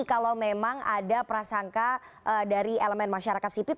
kalau memang ada prasangka dari elemen masyarakat sipil